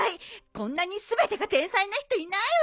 こんなに全てが天才な人いないわ！